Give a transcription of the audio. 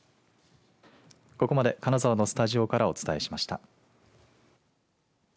ここまで金沢のスタジオからお伝えしました。